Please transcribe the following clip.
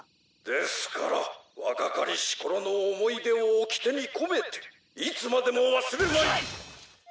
ですから若かりしころの思い出をおきてに込めていつまでも忘れまい。